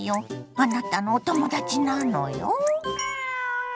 あなたのお友達なのよ。